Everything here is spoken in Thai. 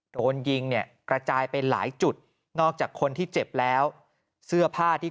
โดนยิงเนี่ยกระจายไปหลายจุดนอกจากคนที่เจ็บแล้วเสื้อผ้าที่